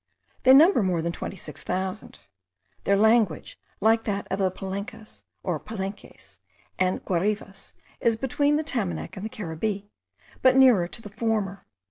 They number more than twenty six thousand. Their language, like that of the Palencas, or Palenques, and Guarivas, is between the Tamanac and the Caribbee, but nearer to the former.